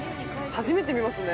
◆初めて見ますね。